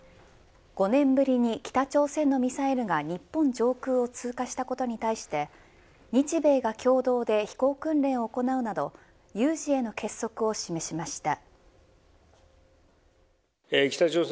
５年ぶりに北朝鮮のミサイルが日本上空を通過したことに対して日米が共同で飛行訓練を行うなど有事への結束を示しました。